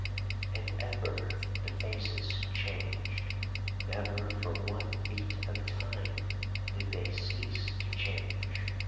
"And ever the faces changed, never for one beat of time did they cease to change.